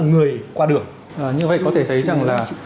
người qua đường như vậy có thể thấy rằng là